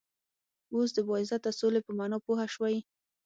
وس د باعزته سولی په معنا پوهه شوئ